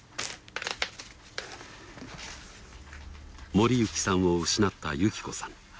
守幸さんを失った雪子さん。